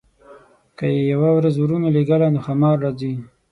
که یې یوه ورځ ورونه لېږله نو ښامار راځي.